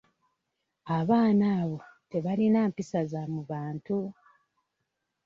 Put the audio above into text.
Abaana abo tebayina mpisa za mu bantu.